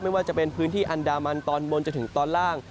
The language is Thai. ไม่ว่าจะเป็นพื้นที่อันดามันตอนบนจนถึงตอนล่าง